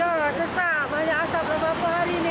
ya sesak banyak asap apa hari ini